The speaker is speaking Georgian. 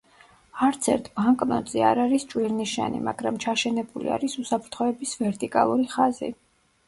არცერთ ბანკნოტზე არ არის ჭვირნიშანი, მაგრამ ჩაშენებული არის უსაფრთხოების ვერტიკალური ხაზი.